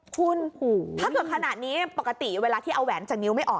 คุณถ้าเกิดขนาดนี้ปกติเวลาที่เอาแหวนจากนิ้วไม่ออก